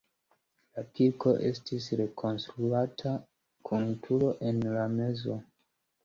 La kirko estis rekonstruata kun turo en la mezo.